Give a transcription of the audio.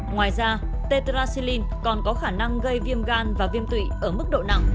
ngoài ra tedrasilin còn có khả năng gây viêm gan và viêm tụy ở mức độ nặng